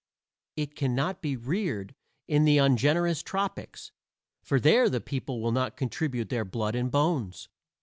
It cannot be reared in the ungenerous tropics, for there the people will not contribute their blood and bones.